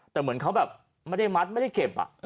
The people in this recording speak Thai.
แต่เหมือนเขาแบบไม่ได้มัดไม่ได้เก็บ